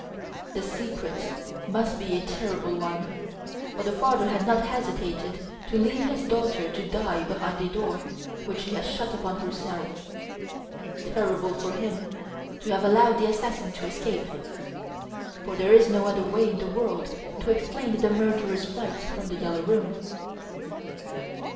The secret must be a terrible one, for the father had not hesitated to leave his daughter to die behind a door which she had shut upon herself, terrible for him to have allowed the assassin to escape. For there is no other way in the world to explain the murderer's flight from "The Yellow Room"!"